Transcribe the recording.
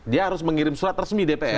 dia harus mengirim surat resmi dpr